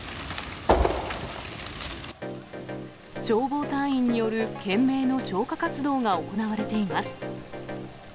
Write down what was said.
消防隊員による懸命の消火活動が行われています。